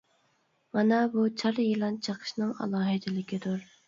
مانا بۇ چار يىلان چېقىشنىڭ ئالاھىدىلىكىدۇر.